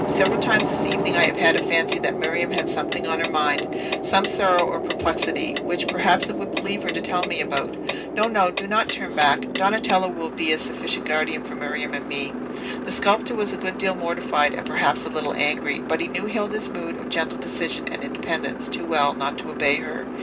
Several times this evening I have had a fancy that Miriam had something on her mind, some sorrow or perplexity, which, perhaps, it would relieve her to tell me about. No, no; do not turn back! Donatello will be a sufficient guardian for Miriam and me." The sculptor was a good deal mortified, and perhaps a little angry: but he knew Hilda's mood of gentle decision and independence too well not to obey her.